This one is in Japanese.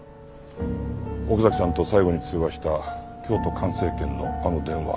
奥崎さんと最後に通話した京都環生研のあの電話。